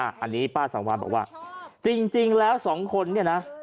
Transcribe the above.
อันนี้ป้าสังวานบอกว่าจริงแล้วสองคนเนี่ยนะ